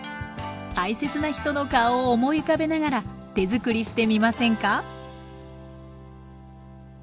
大切な人の顔を思い浮かべながら手づくりしてみませんか？